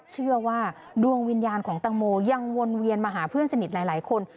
เชื่อว่าดวงวิญญาณของตังโมยังวนเวียนมาหาเพื่อนสนิทหลายคน